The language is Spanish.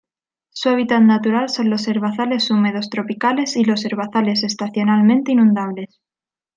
Su hábitat natural son los herbazales húmedos tropicales y los herbazales estacionalmente inundables.